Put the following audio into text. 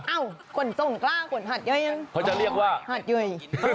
เอ้าคนส่งกล้าคนหาดเยยน่ะเขาจะเรียกว่าหาดเยย